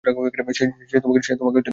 সে তোমাকে সন্দেহ করছে।